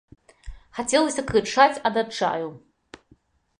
Хацелася крычаць ад адчаю.